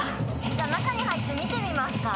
じゃあ中に入って見てみますか？